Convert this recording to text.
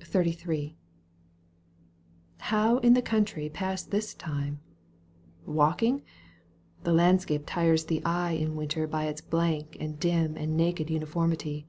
XXXIII. How in the country pass this time ? Walking ? The landscape tires the eye In winter by its blank and dim And naked imiformity.